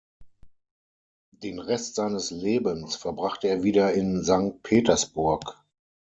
Den Rest seines Lebens verbrachte er wieder in Sankt Petersburg.